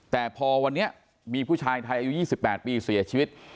แต่พอวันนี้มีผู้ชายไทยอายุ๒๘ปีเสียชีวิต